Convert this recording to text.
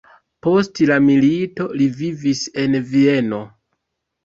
Post la milito li vivis en Vieno.